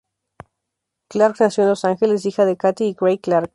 Clark nació en Los Ángeles, hija de Cathy y Craig Clark.